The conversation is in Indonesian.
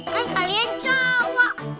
kan kalian cowok